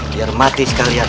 biar mati sekalian